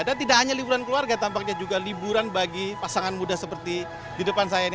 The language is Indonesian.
dan tidak hanya liburan keluarga tampaknya juga liburan bagi pasangan muda seperti di depan saya ini